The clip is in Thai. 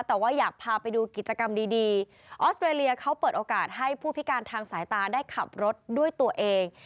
แต่ว่าอยากพาไปดูกิจกรรมดีออสเตรเลียเขาเปิดโอกาสให้ผู้พิการทางสายตาได้ขับรถด้วยตัวเอง